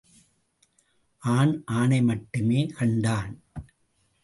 ஆண், ஆணை மட்டுமே கண்டான்.